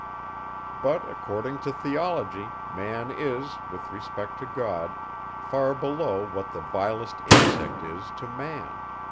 But, according to theology, man is, with respect to God, far below what the vilest insect is to man.